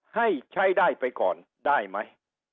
ให้ใช้ได้ไปก่อนได้ไหม